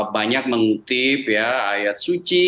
banyak mengutip ayat suci